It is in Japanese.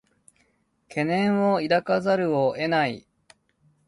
懸念を抱かざるを得ない